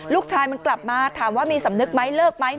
ลูกชายมันกลับมาถามว่ามีสำนึกไหมเลิกไหม